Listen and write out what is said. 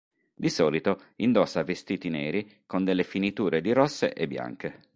Di solito, indossa vestiti neri con delle finiture di rosse e bianche.